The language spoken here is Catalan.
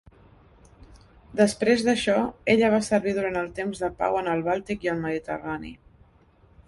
Després d'això, ella va servir durant el temps de pau en el Bàltic i el Mediterrani.